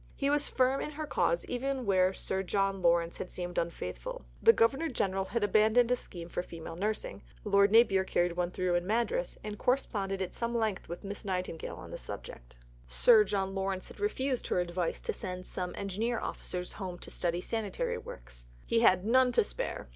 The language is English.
He was firm in her cause even where Sir John Lawrence had seemed unfaithful. The Governor General had abandoned a scheme for female nursing (p. 157); Lord Napier carried one through in Madras, and corresponded at some length with Miss Nightingale on the subject. Sir John Lawrence had refused her advice to send some Engineer Officers home to study sanitary works; he had "none to spare."